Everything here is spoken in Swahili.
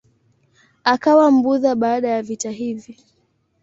Akawa Mbudha baada ya vita hivi.